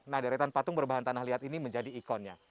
nah deretan patung berbahan tanah liat ini menjadi ikonnya